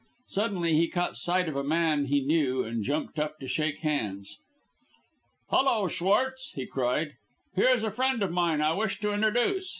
Suddenly he caught sight of a man he knew and jumped up to shake hands. "Hullo! Schwartz," he cried. "Here is a friend of mine I wish to introduce.